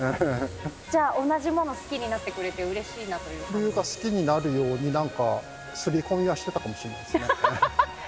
じゃあ、同じものが好きになってくれてうれしいなというか。というか、好きになるようになんか、すり込みはしてたかもしれないですね。